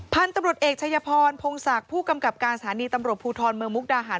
พันธุ์ตำรวจเอกชายพรพงศักดิ์ผู้กำกับการสถานีตำรวจภูทรเมืองมุกดาหาร